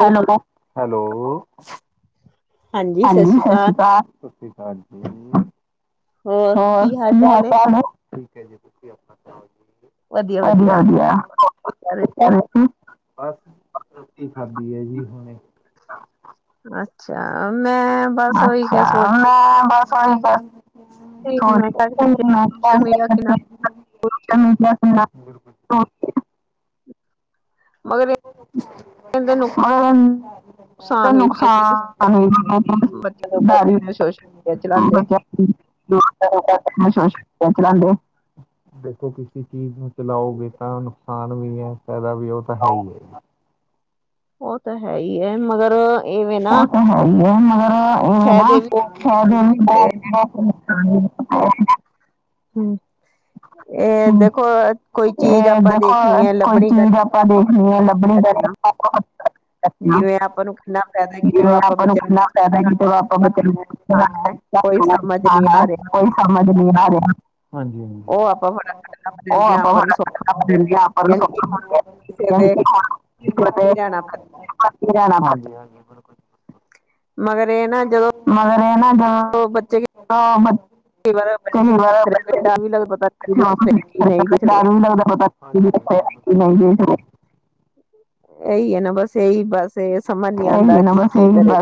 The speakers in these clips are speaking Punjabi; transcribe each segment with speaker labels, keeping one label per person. Speaker 1: ਹੈਲੋ, ਹੈਲੋ ਹਾਂਜੀ, 'ਸਤਿ ਸ੍ਰੀ ਅਕਾਲ 'ਸਤਿ ਸ੍ਰੀ ਅਕਾਲ ਜੀ। ਹਾਂ, ਕੀ ਹਾਲ ਚਾਲ ਆਂ, ਠੀਕ ਹੈ ਜੀ ਤੂਸੀਂ ਆਪਣਾ ਸੁਣਾਓ। [inaudible] ਬਸ, ਰੋਟੀ ਖਾਦੀ ਐ ਜੀ ਹੁਣੇ।
Speaker 2: ਅੱਛਾ, ਮੈਂ ਬਸ ਉਹੀ ਕਿਆ ਸੋਚਦੀ
Speaker 1: ਫਾਈਨ -ਫਾਈਨ। [inaudible] ਬਿਲਕੁਲ। [unintelligible] ਤੇ, ਨੁਕਸਾਨ ਤਾਂ ਹੀ, ਐਕਸੀਡੈਂਟ ਦਾਵੀ ਬਚਤ [inaudible] ਕਿਸ ਚੀਜ਼ ਨੂੰ ਚਲਾਉਗੇ ਤਾਂ ਨੁਕਸਾਨ ਵੀ ਹੈ, ਫਾਇਦਾ ਵੀ ਹੈ, ਉਹ ਤਾਂ ਹੈ ਹੀ ਹੈ ਜੀ।
Speaker 2: ਉਹ ਤਾਂ ਹੈ, ਹੀ ਹੈ ਮਗਰ
Speaker 1: ਉਹ ਤਾਂ ਹੈ ਹੀ, ਹੈ ਮਗਰ ਉਹ ਨਾ ਫਾਇਦਾ ਬਾਤ- ਬਾਤ [inaudible]
Speaker 2: ਹੂੰ। ਇਹ ਦੇਖੋ ਕੋਈ ਚੀਜ਼ ਆਪਾਂ ਦੇਖਣੀ ਆਂ, ਲੱਭਣੀ ਪੇਣੀਆਂ
Speaker 1: [unintelligible] ਆਪਣਾ, ਜਿਵੇਂ ਆਪਾਂ ਨੂੰ ਖਲਾ ਪੈਨਾ ਕਿ ਆਪਾਂ ਬੱਚ ਨੂੰ? ਚੌਕ ਖਾਣਾ ਨੁਕਸਾਨ ਹੇ ਕੇਈ ਸਮਝ ਨੀ ਆਂ ਰਿਆ। ਹਾਂਜੀ ਹਾਂਜੀ [unintelligible] [inaudible] ੁ
Speaker 2: ਮਗਰ ਇਹ ਨਾ ਜਦੋਂ
Speaker 1: ਮਗਰੇਂ ਨਾ ਦ ਪ ਮ
Speaker 2: ਕਈ ਵਾਰ ਪਿੰ ਵੀ ਲ ਇੰਟਰਨਲ ਪਤਾ ਦਿਖਣੇ ਕੇ ਨਹੀਂ ਦਿਖਣੇ।
Speaker 1: ਨਹੀਂ ਲੱਗਦਾ ਪਤਾ ਦਿਖਣੇ ਕੇ ਨਹੀਂ ਦਿਖਣੇ।
Speaker 2: ਇਹੀ ਹੈ ਨਾ ਬਸ ਇਹੀ ਬਸ ਇਹ ਸਮਝ ਨੀ ਆਂਦਾ ਕੀ ਕਰੇ।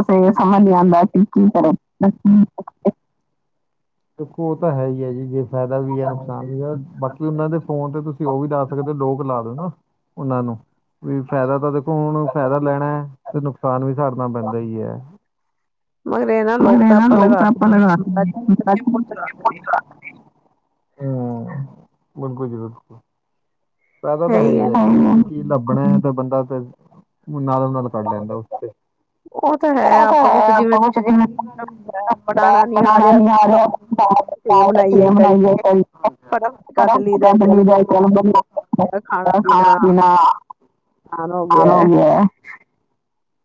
Speaker 1: ਲੇ ਜੀਂ। ਕੀ ਕਰੇ, ਕੀ ਕਰੇ ਦੇਖੋ ਉਹ ਤਾਂ ਹੈ ਈ ੲੈ ਜੀ ਜੇ ਫਾਇਦਾ ਵੀ ਹੈ, ਨਕਸਾਨ ਵੀ, ਬਾਕੀ ਉਹਨਾਂ ਦੇ ਫੋਨ ਤੇ ਤੁਸੀਂ ਉਹ ਵੀ ਲਾ ਸਕਦੇ ਹੋ ਲੋਕ ਲਾ ਦੇ ਨਾ ਉਹਨਾਂ ਨੂੰ। ਫੇਰ ਫਾਇਦਾ ਤਾਂ ਦੇਖੋ ਹੁਣ ਫਾਇਦਾ ਲੈਣਾ ਹੈ, ਤੇ ਨੁਕਸਾਨ ਵੀ ਕਰਨਾ ਪੈਂਦਾ ਹੀ ਹੈ। ਮ ਨਾ ਲੋਕ ਤਾਂ ਆਪਾਂ ਲਗਾਦੇ?? ਹਮ, ਬਿਲਕੁਲ ਜੀ ਬਿਲਕੁਲ। ਫਾਇਦਾ ਤਾਂ ਹੈ ਈ ਐ ਜੀ, ਕੀ ਲੱਭਣਾ ਹੈ ਤੇ ਬੰਦਾ ਤਾਂ ਨਾਲੋਂ ਨਾਲ ਕੱਢ ਲੈਂਦਾ ਉਸਤੇ ਉਹ ਤਾਂ ਹੈ, ਆਪ ਕੁਛ ਜਿਵੇਂ ਬਣਾਣਾ ਨੀ ਆਂ ਰਿਹਾ [unintelligible] ਖਾਂਣਾ, ਪੀਣਾ
Speaker 2: ਨਾਨ ਹੋਗਿਆ।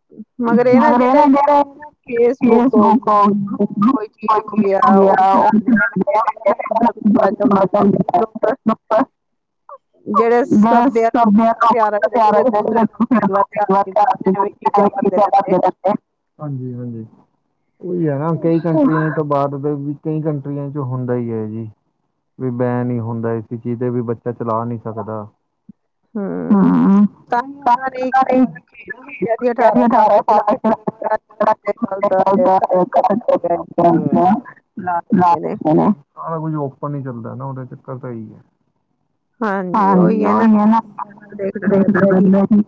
Speaker 1: [unintelligible] [inaudible] [unintelligible] ਹਰ ਚੀਜ਼ਾਂ ਕਰਦੇ ਰਹਿੰਦੇ ਹਾਂਜੀ-ਹਾਂਜੀ, ਉਹੀ ਐ ਨਾ ਕਈ ਤਾਂ ਤੋਂ ਬਾਅਦ ਵੀ ਕਈ ਕੰਟਰੀਆਂ 'ਚ ਹੁੰਦਾ ਆ ਈ ਐ ਜੀ। ਵੀ ਮੈਂ ਨੀ ਹੁੰਦਾ, ਇਸ ਚੀਤੇ ਵੀ ਬੱਚ ਤੇ ਚਲਾ ਨੀ ਸਕਦਾ ਹਾਂ। [unintelligible] [inaudible] ਲੇਕ ਹੈ ਨਾ ਸਾਰਾ ਕੁਝ ਓਪਨ ਨੀ, ਚੱਲਦਾ ਨਾ ਉਹਦੇ ਚੱਕਰ ਤਾਂ ਇਹੀ ਹੈ। ਹਾਂਜੀ ਉਹੀ ਹੈ, ਨਾ ਪੇਟ ਦਰਦ ਹੁਣ ਦਾ ਸੀਂਂ।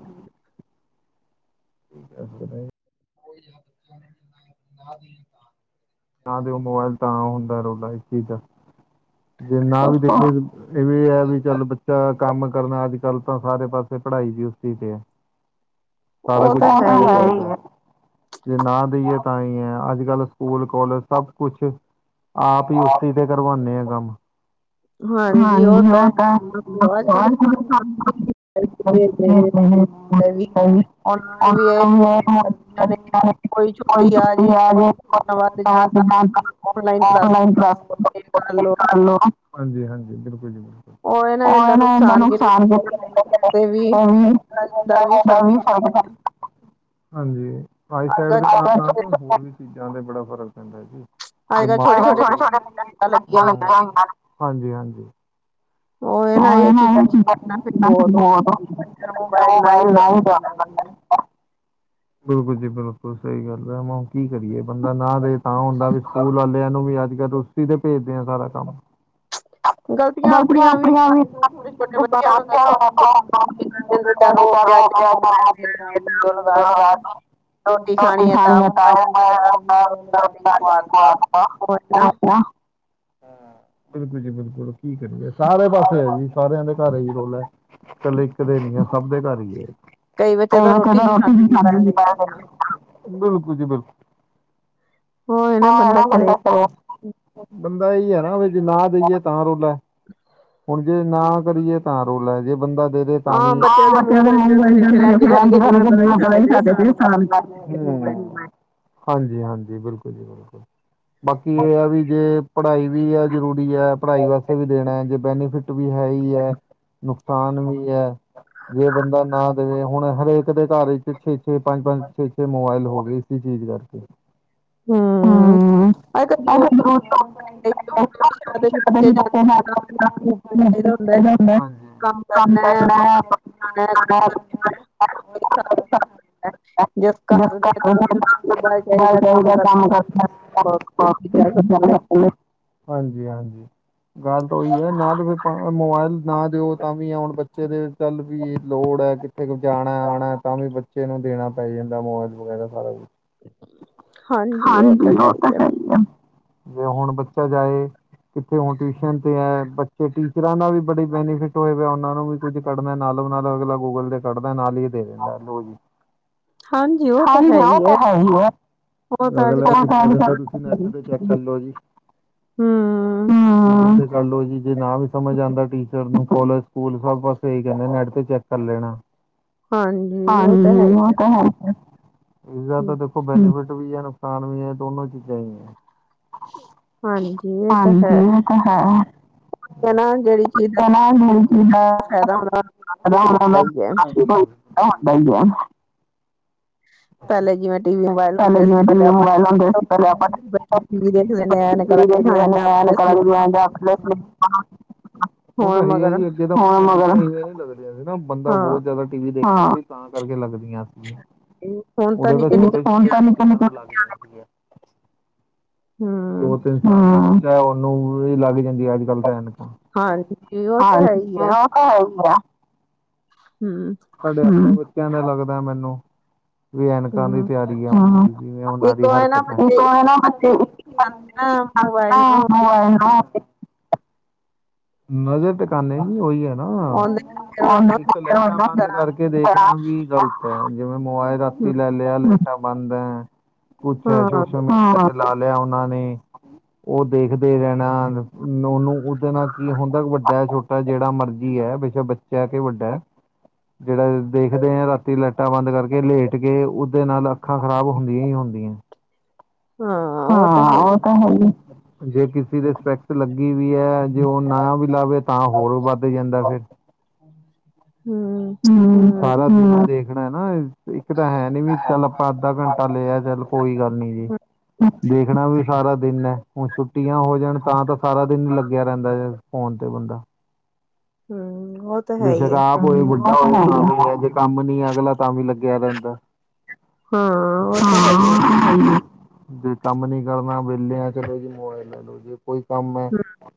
Speaker 1: ਠੀਕ ਹੈ ਹੁਣ।
Speaker 2: [inaudible]
Speaker 1: ਨਾ ਦਿਓ ਮੋਬਾਇਲ ਤਾਂ ਹੁੰਦਾ ਰੋਲਾ ਇਸ ਚੀਜ਼ ਦਾ, ਜੇ ਨਾ ਵੀ ਦੇਖ ਇਹ ਵੀ ਹੈ, ਵੀ ਚੱਲ ਬੱਚਾ ਕੰਮ ਕਰਨਾ ਅੱਜ ਕੱਲ ਤਾਂ ਸਾਰੇ ਪਾਸੇ ਪੜਾਈ ਵੀ ਉਸ ਚੀਜ਼ ਤੇ ਐ। ਸਾਰਾ ਕੁਛ, ਉਹ ਤਾ ਹੈ ਈ ਏ। ਜੇ ਨਾ ਦੇਈਏ ਤਾਂ ਹੀ ਹੈ, ਅੱਜ- ਕੱਲ ਸਕੂਲ ਕਾਲਜ ਸਭ ਕੁਛ ਆਪ ਹੀ ਅੱਖੀ ਦੇਖਣਾ ਕਰਵਾਉਂਨੇ ਆ ਕੰਮ। ਹਾਂਜੀ ਉਹ ਤਾਂ [unintelligible] [inaudible] [unintelligible] ਕੋਈ ਛੁੱਟੀ ਆ ਜੇ। Online class? ਹਾਂਜੀ-ਹਾਂਜੀ, ਬਿਲਕੁਲ ਜੀ ਓ ਨਾ ਇਨਾ ਨੋ ਸਾਲਦੇ ਵਿਚ ਕੇਈ [unintelligible] ਹਾਂਜੀ, ਆਈਸਾਈਡ ਦੇ ਕਾਰਨ ਤੋਂ ਹੋਰ ਵੀ ਚੀਜ਼ਾਂ ਤੇ ਬੜਾ ਫ਼ਰਕ ਪੈਂਦਾ ਹੈ ਜੀ। [inaudible] [unintelligible] ਬਿਲਕੁਲ ਜੀ ਬਿਲਕੁਲ ਸਈ ਗੱਲ ਐ ਕੀ ਕਰੀਏ ਬੰਦਾ ਨਾ ਦੇ ਤਾਂ ਹੁੰਦਾ ਵੀ ਸਕੂਲ ਵਾਲਿਆਂ ਨੂੰ ਵੀ ਅੱਜ ਕੱਲ੍ਹ ਉਸੀ ਤੇ ਭੇਜਦੇ ਹ ਸਾਰਾ ਕੰਮ। ਗਲਤੀਆਂ ਆਪਣੀਆਂ ਵੀ [unintelligible] ਰੋਟੀ ਖਾਣੀ ਆ, ਤਾਂ ਮੋਬਾਇਲ ਦੋ ਹਾ ਗੁਡ ਨਾਈਟ ਪਾਪਾਂ ਪਾਪਾਂ। ਬਿਲਕੁਲ ਜੀ ਬਿਲਕੁਲ, ਕੀ ਕਰੀਏ ਸਾਰੇ ਪਾਸੇ ਹੈ ਜੀ ਸਾਰਿਆਂ ਦੇ ਘਰ ਹੀ ਰੌਲਾ ਐ, ਚੱਲ ਲਿਖ ਕੇ ਦੇਨੀਆ ਸਬ ਦੇ ਘਰ ਈ ਆ।
Speaker 2: ਕਈ ਬੱਚੇ ਤਾਂ ਰੋਟੀ ਨੀ ਖਾਨ
Speaker 1: ਬਿਲਕੁਲ ਜੀ ਬਿਲਕੁਲ [inaudible] ਉੰਝ ਨਾ ਕਰੀਏ ਤਾਂ ਰੋਲ ਹੈ ਜੇ ਬੰਦਾ ਦੇ ਮ ਫ [inaudible] ਹਾਂਜੀ, ਹਾਂਜੀ। ਬਿਲਕੁਲ ਜੀ ਬਿਲਕੁਲ ਬਾਕੀ ਇਹ ਆ ਵੀ, ਜੇ ਪੜ੍ਹਾਈ ਵੀ ਆ ਜ਼ਰੂਰੀ ਹੈ, ਪੜ੍ਹਾਈ ਵਾਸਤੇ ਵੀ ਦੇਣਾ, ਜੇ ਬੈਨੀਫਿਟ ਵੀ ਹੈ ਹੀ ਹੈ, ਨੁਕਸਾਨ ਵੀ ਹੈ, ਜੇ ਬੰਦਾ ਨਾ ਦੇਵੇ ਹੁਣ ਹਰੇਕ ਦੇ ਘਰ ਵਿੱਚ ਛੇ-ਛੇ, ਪੰਜ-ਪੰਜ, ਛੇ-ਛੇ ਮੋਬਾਇਲ ਹੋ ਗਏ ਇਸੀ ਚੀਜ਼ ਕਰਕੇ। ਹੂੰ [unintelligible] [inaudible] ਕੰਮ ਕਰਨਾ ਐ [inaudible]
Speaker 2: ਠ [inaudible]
Speaker 1: [inaudible] ਹੈਲੋ ਹਾਂਜੀ-ਹਾਂਜੀ, ਗੱਲ ਤਾਂ ਉਹੀ ਐ, ਨਾ ਤਾਂ ਫਿਰ ਮੋਬਾਇਲ ਨਾ ਦਿਓ ਤਾਂ ਵੀ ਹੁਣ ਬਚ ਬੱਚੇ ਦੇ ਚੱਲ ਵੀ ਲੋੜ ਹੈ, ਕਿੱਥੇ ਕੁ ਜਾਣਾ ਆਉਣਾ, ਤਾਂ ਵੀ ਬੱਚੇ ਬੱਚੇ ਨੂੰ ਦੇਣਾ ਪੈ ਜਾਂਦਾ ਮੋਬਾਈਲ ਵਗੈਰਾ ਸਾਰਾ ਕੁਛ। ਹਾਂਜੀ, ਉਹ ਤਾਂ ਹੈ ਹੀ ਆ ਜੇ ਹੁਣ ਬੱਚਾ ਜਾਏ ਕਿੱਥੇ ਹੁਣ ਟਿਊਸ਼ਨ ਤੇ ਹੈ ਤੇ ਟੀਚਰਾਂ ਨਾ ਵੀ ਬੜੀ ਬੈਨੀਫਿਟ ਹੋਏ ਵ, ਉਹਨਾਂ ਨੂੰ ਵੀ ਕੁੱਝ ਕੱਢਨਾ ਨਾਲੋ ਨਾਲ ਅਗਲਾ ਗੂਗਲ ਦੇ ਕੱਢਦਾ ਨਾਲ ਹੀ ਦੇ ਦਿੰਦਾ ਲੋ ਜੀ। ਹਾਂਜੀ ਉਹ ਤਾਂ ਹੈ ਈ ਏ। ਚੈੱਕ ਕਰਲੋ ਜੀ- ਕਰਲੋ ਜੀ ਹਾਂ। ਜੇ ਨਾ ਵੀ ਸਮਝ ਆਉਂਦਾ ਟੀਚਰ ਨੂੰ, ਕੋਲਜ ਸਕੂਲ ਸਭ ਬਸ ਏਹੀ ਕਹਿੰਦੇ, ਨੈੱਟ ਤੇ ਚੈੱਕ ਕਰ ਲੈਣਾ।
Speaker 2: ਹਾਂਜੀ
Speaker 1: ਹੂ, ਉਹ ਤਾਂ ਹੈ ਈ ਏ। ਇਸਦਾ ਤਾਂ ਦੇਖੋ ਬੈਨੀਫਿਟ ਵੀ ਹੈ, ਨੁਕਸਾਨ ਵੀ ਹੈ, ਦੋਨੋ ਚੀਜ਼ਾਂ ਹੀ ਹੈ। ਹਾਂਜੀ ਉਹ ਤੇ ਹੈ। [unintelligible]
Speaker 2: [unintelligible]
Speaker 1: ਹਾਂ [unintelligible] ਬਾਈ ਆ ਪਲੇ ਜਿਵੇਂ ਟੀ ਵੀ ਮੋਬਾਇਲ ਹੁੰਦੇ ਸੀ, ਪਹਿਲੇ ਆਪਾਂ ਜ ਦੇਨ ਕ [unintelligible]
Speaker 2: ਹੁਣ ਮਗਰ
Speaker 1: ਨ ਲੱਗਦੀਆਂ ਸੀ ਨਾ ਬੰਦਾ ਬਹੁਤ ਜ਼ਿਆਦਾ ਟੀ ਵੀ ਦੇਖੇ, ਤਾਂ ਕਰਕੇ ਲੱਗਦੀਆਂ ਸੀਗੀਆਂ।
Speaker 2: ਇਹ
Speaker 1: [unintelligible] ਦੋ ਤਿੰਨ ਦਾ ਬੱਚਾ ਏ ਉਹਨੂੰ ਵੀ ਲੱਗ ਜਾਂਦੀ ਏ, ਅੱਜ ਕੱਲ ਤਾਂ ਐਨਕ। ਹਾਂ, ਉਹ ਤਾਂ ਹੈ ਈ ਏ।
Speaker 2: ਹੂ
Speaker 1: ਸਾਡੇ ਆਪ ਬੱਚਿਆਂ ਦਾ ਲੱਗਦਾ ਮੈਨੂੰ ਵੀ ਐਨਕਾਂ ਦੀ ਤਿਆਰੀ ਆ, ਜਿਵੇਂ ਉਹਨਾਂ ਦੀ ਹਰਕਤ ਵਾ [unintelligible] ਨਜ਼ਰ ਟਿਕਾਨੇ ਜੀ, ਉਹੀ ਹੈ ਨਾ। ਇਕ ਲਾਈਟ ਬੰਦ ਕਰਕੇ ਦੇਖਣਾ ਵੀ ਗ਼ਲਤ ਏ, ਜਿਵੇਂ ਮੋਬਾਇਲ ਰਾਤੀ ਲੈ ਲ ਲਿਆ ਲੇਖਾ ਬੰਦ ਹੈ ਕੁੱਛ ਐ, ਸੋਸ਼ਲ ਮੀਡੀਆ ਲਾ ਲਿਆ ਉਹਨਾਂ ਨੇ। ਉਹ ਦੇਖਦੇ ਰਹਿਣਾ, ਉਹਨੂੰ ਉਹਦੇ ਨਾਲ ਕੀ ਹੁਣ ਤੱਕ ਵੱਡਾ ਛੋਟਾ ਜਿਹੜਾ ਮਰਜ਼ੀ ਹੈ, ਬੇਸ਼ਕ ਬੱਚਾ ਕਿ ਵੱਡਾ ਹੈ। ਜਿਹੜਾ ਦੇਖਦੇ ਆਂ ਰਾਤੀ ਲਾਈਟਾਂ ਬੰਦ ਕਰਕੇ, ਲੇਟ ਕੇ, ਉਹਦੇ ਨਾਲ ਅੱਖਾਂ ਖ਼ਰਾਬ ਹੁੰਦੀਆਂ ਹੀ ਹੁੰਦੀਆਂ। ਹਾਂ ਹਾਂ, ਉ ਤੇ ਹੈਈ ਹੈ ਜੇ ਕਿਸੇ ਦੇ ਸਪੈਕਸ ਲੱਗੀ ਵੀ ਹੈ, ਜੇ ਉਹ ਨਾ ਵੀ ਲਾਵੇ, ਤਾਂ ਹੋਰ ਵੱਧ ਜਾਂਦਾ ਫਿਰ
Speaker 2: ਹੂ
Speaker 1: ਹੂ, ਸਾਰਾ ਦਿਨ ਦੇਖਣਾ ਏ ਨਾ, ਇੱਕ ਤਾਂ ਹੈ ਨੀ, ਵੀ ਚੱਲ ਆਪਾਂ ਅੱਧਾ ਘੰ ਚੱਲਿਆ ਚੱਲ, ਕੋਈ ਗੱਲ ਨੀ ਜੀ। ਦੇਖਣਾ ਵੀ ਸਾਰਾ ਦਿਨ ਏ, ਹੁਣ ਛੁੱਟੀਆਂ ਹੋ ਜਾਣ, ਤਾਂ ਤਾਂ ਸਾਰਾ ਦਿਨ ਹੀ ਲੱਗਿਆ ਰਹਿੰਦਾ ਏ। ਫੋਨ ਤੇ ਬੰਦਾ
Speaker 2: ਹੂ ਹੋਰ
Speaker 1: ਬੇਸ਼ੱਕ ਆਪ ਹੋਏ ਵੱਡਾ ਹੋਵੇ, ਜੇ ਕੰਮ ਨੀ ਹੈਗਾ, ਅਗਲਾ ਤਾਂ ਵੀ ਲੱਗਿਆ ਰਹਿੰਦਾ।
Speaker 2: ਹਾਂ, ਉਹ ਤੇ ਹੈ ਈ ਏ।
Speaker 1: ਜੇ ਕੰਮ ਨੀ ਕਰਨਾ ਵਿਹਲਿਆ ਚਲੋ ਜੇ ਮੋਬਾਇਲ ਲੈ ਲੋ ਜੀ। ਕੋਈ ਕੰਮ ਏ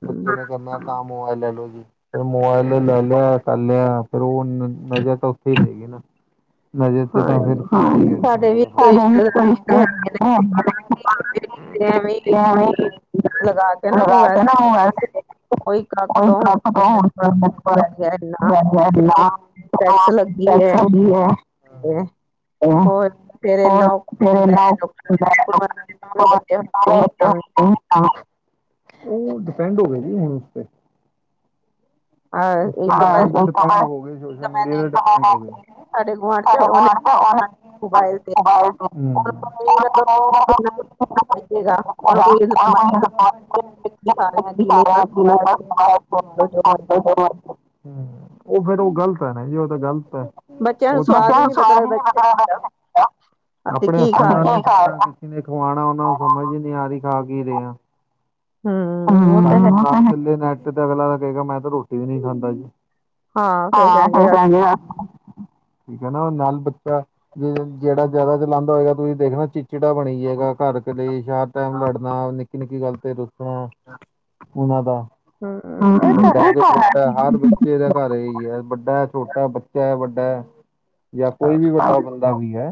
Speaker 1: ਬੱਚੇ ਨੇ ਕਰਨਾ ਤਾਂ ਮੋਬਾਈਲ ਲੈ ਲੋ ਜੀ। ਫਿਰ ਮੋਬਾਇਲ ਲੈ ਲਿਆ ਕਰ ਲਿਆ ਫੇਰ ਉਹ ਨਜ਼ਰ ਤਾਂ ਉੱਥੇ ਹੀ ਸੀਗੀ ਨਾ। ਨਜਰ ਤੇ ਤਾਂ ਫਿਰ- [inaudible] [inaudible] [inaudible] [inaudible]
Speaker 2: ਤੇ ਹੋਰ
Speaker 1: [unintelligible] ਹਾਂ ਉਹ ਡਿਪੈਂਡ ਹੋਗੇ ਜੀ ਹੁਣ ਉਸ ਤੇ [inaudible]
Speaker 2: ਸਾਡੇ ਗੁਆਂਢ ਚ ਮੋਬਾਇਲ ਤੇ [unintelligible] [inaudible] [inaudible]
Speaker 1: ਹ ਉਹ ਫੇਰ ਉਹ ਗ਼ਲਤ ਐ ਨਾ ਜੀ ਉਹ ਤਾਂ ਗ਼ਲਤ ਏ। [inaudible] ਇਹਨੇ ਖਵਾਉਣਾ ਉਹਨਾ ਨੂੰ ਸਮਝ ਹੀ ਨਹੀਂ ਆ ਰਹੀ ਖਾ ਕੇ ਰਿਹਾ। ਹੂੰ ਉਹ ਤੇ ਹੈ, ਨੈਟ ਨਾ ਚਲੇ ਤੇ ਅਗਲਾ ਕਹੇਗਾ ਮੈਂ ਤੇ ਰੋਟੀ ਵੀ ਨਹੀਂ ਖਾਂਦਾ ਜੀ। ਹਾਂ ਹੋ ਕਹਿਦੇ ਆ [unintelligible] ਠੀਕ ਹੈ ਨਾ ਨਾਲ ਬੱਚਾ ਜੇ ਜਿਹੜਾ ਜਿਆਦਾ ਚਲਾਉਂਦਾ ਹੋਏਗਾ ਤੁਸੀਂ ਦੇਖਣਾ ਚਿੱ ਚਿੜਾ ਬਣੀ ਜਾਏਗਾ ਘਰ ਕਲੇੇਸ਼ ਹਰ ਟਾਈਮ ਲੜਨਾ ਨਿੱਕੀ- ਨਿੱਕੀ ਗੱਲ ਤੇ ਰੁੱਸਣਾ ਉਹਨਾਂ ਦਾ
Speaker 2: ਹੂੰ ਇਹ ਤਾਂ ਹੈ।
Speaker 1: ਹਰ ਬੱਚੇ ਦਾ ਘਰ ਇਹੀ ਐ ਵੱਡਾ ਛੋਟਾ ਬੱਚਾ ਵੱਡਾ ਐ। ਜਾਂ ਕੋਈ ਵੀ ਵੱਡਾ ਬੰਦਾ ਵੀ ਐ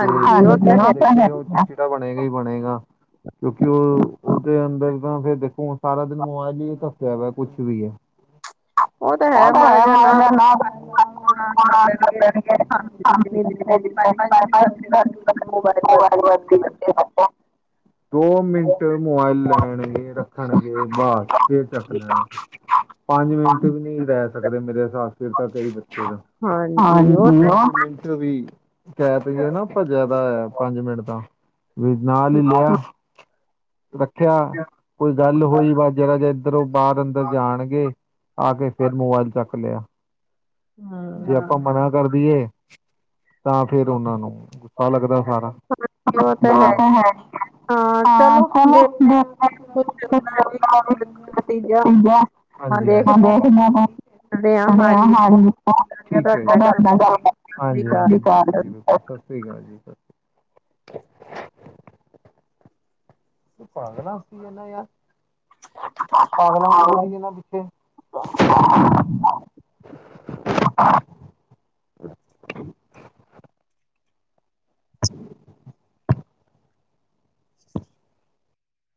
Speaker 1: ਤੇ ਬਣੇਗਾ ਈ ਬਣੇਗਾ। ਕਿਉਂਕਿ ਉਹ ਉਹਦੇ ਅੰਦਰ ਫੇਰ ਦੇਖੋ ਸਾਰਾ ਦਿਨ ਮੋਬਾਇਲ ਧੱਸਿਆ ਵਾ ਕੁਛ ਵੀ ਐ। [inaudible] [inaudible] [inaudible] ਦੋ ਮਿੰਟ ਮੋਬਾਇਲ ਲੈਣਗੇ ਰੱਖਣ ਦੇ ਬਾਅਦ ਫਿਰ ਚੱਕ ਲੈਣਾ। ਪੰਜ ਮਿੰਟ ਵੀ ਨਹੀਂ ਰਹਿ ਸਕਦੇ ਮੇਰੇ ਹਿਸਾਬ ਫਿਰ ਤਾਂ ਕਈ ਬੱਚੇ ਨੇ, ਹਾਂਜੀ ਉ, ਇਕ ਮਿੰਟ ਵੀ ਕਹਿ ਤੇ ਨਾ ਭੱਜਿਆ ਤਾਂ ਪੰਜ ਮਿੰਟ ਤਾਂ ਵੀ ਨਾਲ ਹੀ ਲਿਆ। ਰੱਖਿਆ ਕੋਈ ਗੱਲ ਹੋਈ ਵ ਜਿਹੜਾ ਜੇ ਇੱਧਰੋਂ ਬਾਹਰ ਅੰਦਰ ਜਾਣਗੇ। ਆ ਕੇ ਫੇਰ ਮੋਬਾਇਲ ਚੱਕ ਲਿਆ, ਜੇ ਆਪਾਂ ਮਨਾ ਕਰਦੀਏ ਤਾਂ ਫੇਰ ਉਹਨਾਂ ਨੂੰ ਗੁੱਸਾ ਲੱਗਦਾ ਸਾਰਾ। ਆਹ ਹਾਂ [inaudible] ਹਾਂ ਚਲੋ
Speaker 2: ਤੀਜਾ
Speaker 1: ਹਾਂਜੀ ਹਾਂਜੀ [inaudible] [inaudible] ਹਾਂਜੀ ਠੀਕ ਏ ਹਾਂਜੀ- ਹਾਂਜੀ। [inaudible] [inaudible] [inaudible] [inaudible]